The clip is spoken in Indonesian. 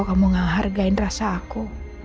kamu ngehargain rasa aku